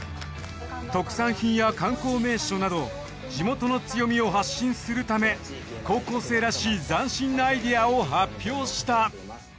特産品や観光名所など地元の強みを発信するため高校生らしい斬新なアイデアを発表した。